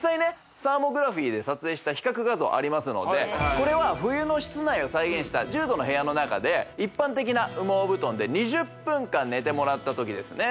サーモグラフィーで撮影した比較画像ありますのでこれは冬の室内を再現した１０℃の部屋の中で一般的な羽毛布団で２０分間寝てもらった時ですね